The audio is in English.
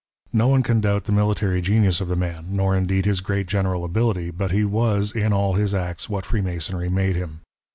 No one can doubt the military genius of the man, nor indeed his great general ability ; but he was in all his acts what Freemasonry made him.